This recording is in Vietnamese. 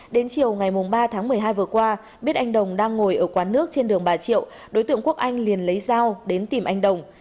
đến chiều ngày ba tháng một mươi hai vừa qua biết anh đồng đang ngồi ở quán nước trên đường bà triệu đối tượng quốc anh liền lấy dao đến tìm anh đồng